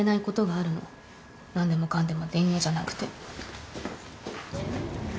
何でもかんでも電話じゃなくて。